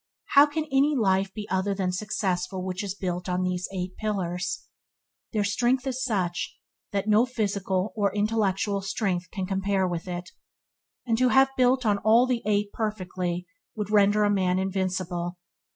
How can any life be other than successful which is built on these Eight Pillars? Their strength is such that no physical or intellectual strength can compare with it; and to have built all the eight perfectly would render a man invincible.